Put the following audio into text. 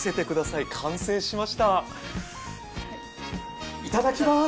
いただきます。